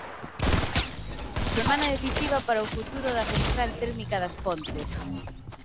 Semana decisiva para o futuro da central térmica das Pontes.